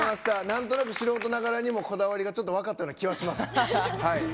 なんとなく素人ながらにも、こだわりが分かったような気がします。